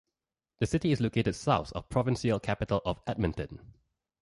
The city is located south of the provincial capital of Edmonton.